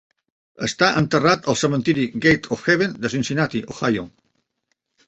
Està enterrat al cementiri Gate of Heaven de Cincinnati, Ohio.